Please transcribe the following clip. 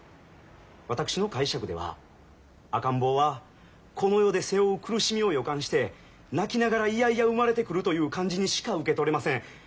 私の解釈では赤ん坊はこの世で背負う苦しみを予感して泣きながらいやいや生まれてくるという感じにしか受け取れません。